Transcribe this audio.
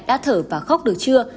đã thở và khóc được chưa